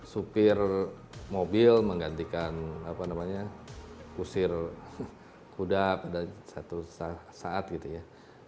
supir mobil menggantikan kusir kuda pada suatu saat gitu ya